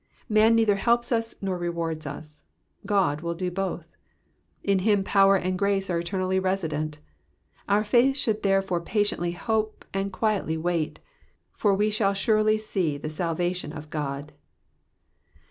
Man neither helps us nor rewards us ; God will do both. In him power and grace are eternally resident ; our faith should therefore patiently hope and Quietly wait, for we shall surely see the salvation of God.